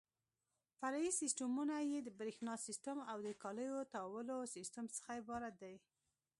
فرعي سیسټمونه یې د برېښنا سیسټم او د کالیو تاوولو سیسټم څخه عبارت دي.